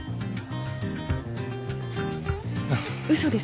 嘘です。